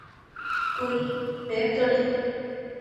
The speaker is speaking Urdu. کوئی بیر تو نہیں